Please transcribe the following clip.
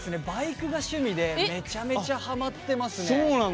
バイクが趣味でめちゃめちゃハマってますね。